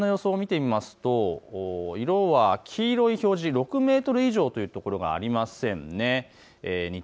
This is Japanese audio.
あすの風の予想を見てみますと色は黄色い表示、６メートル以上というところがありませんね。